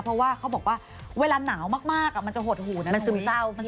เพราะว่าเขาบอกว่าเวลาหนาวมากอะมันจะหดหูนะหนุ๊ย